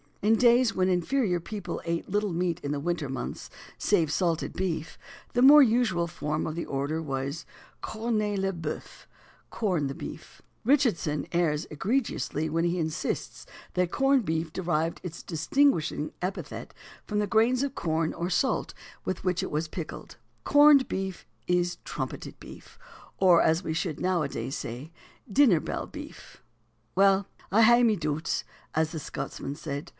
"In days when inferior people ate little meat in the winter months save salted beef, the more usual form of the order was cornez le boeuf, or 'corn the beef.' Richardson errs egregiously when he insists that corned beef derived its distinguishing epithet from the grains or corns of salt with which it was pickled. Corned beef is trumpeted beef, or as we should nowadays say, dinner bell beef." Well "I hae ma doots," as the Scotsman said.